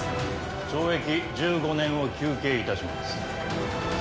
懲役１５年を求刑いたします。